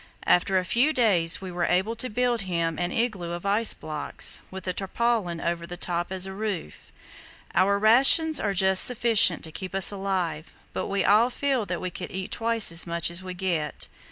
After a few days we were able to build him an igloo of ice blocks, with a tarpaulin over the top as a roof. "Our rations are just sufficient to keep us alive, but we all feel that we could eat twice as much as we get.